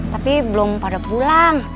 tapi belum pada pulang